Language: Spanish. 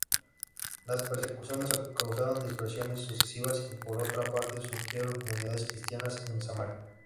Las persecuciones causaron dispersiones sucesivas y por otra parte surgieron comunidades cristianas en Samaria.